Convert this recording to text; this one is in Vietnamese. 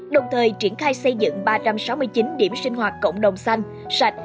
đồng thời triển khai xây dựng ba trăm sáu mươi chín điểm sinh hoạt cộng đồng xanh sạch